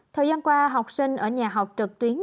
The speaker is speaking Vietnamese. thời gian qua học sinh ở nhà học trực tuyến